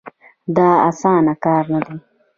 دا اسانه کار نه دی.